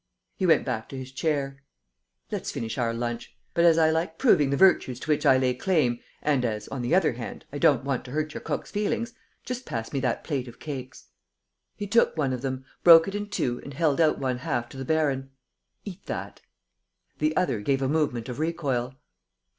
He went back to his chair: "Let's finish our lunch. But as I like proving the virtues to which I lay claim, and as, on the other hand, I don't want to hurt your cook's feelings, just pass me that plate of cakes." He took one of them, broke it in two and held out one half to the baron: "Eat that!" The other gave a movement of recoil.